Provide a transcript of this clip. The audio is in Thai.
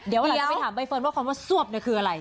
เดี๋ยวหลังจะไปถามใบเฟิร์นว่าความว่าสวบคืออะไร